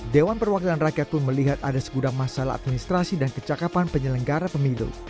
dewan perwakilan rakyat pun melihat ada segudang masalah administrasi dan kecakapan penyelenggara pemilu